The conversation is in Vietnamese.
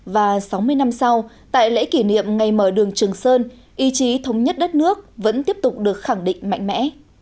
và sáu mươi năm sau tại lễ kỷ niệm ngày mở đường trường sơn ý chí thống nhất đất nước vẫn tiếp tục được khẳng định mạnh mẽ